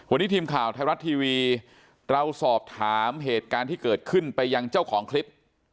วันนี้ทีมข่าวไทยรัฐทีวีเราสอบถามเหตุการณ์ที่เกิดขึ้นไปยังเจ้าของคลิป